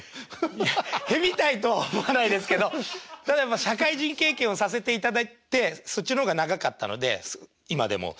いや屁みたいとは思わないですけど社会人経験をさせていただいてそっちの方が長かったので今でも。